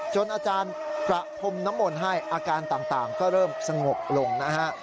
อาจารย์ประพรมน้ำมนต์ให้อาการต่างก็เริ่มสงบลงนะฮะ